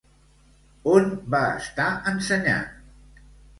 On va estar ensenyant?